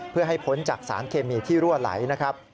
เพื่อให้พ้นจากสารเคมีที่รั่วไหลนะครับ